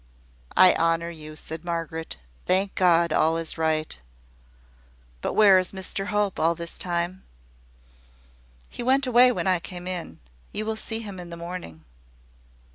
"I honour you," said Margaret. "Thank God, all is right! But where is Mr Hope all this time?" "He went away when I came in. You will see him in the morning."